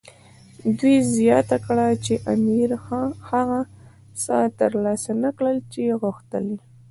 دوی زیاته کړه چې امیر هغه څه ترلاسه نه کړل چې غوښتل یې.